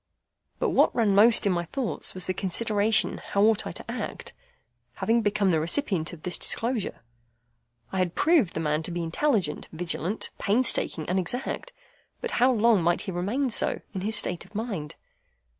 But what ran most in my thoughts was the consideration how ought I to act, having become the recipient of this disclosure? I had proved the man to be intelligent, vigilant, painstaking, and exact; but how long might he remain so, in his state of mind?